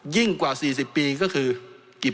ยิ่งกว่า๔๐ปีก็คือ๗๐ปี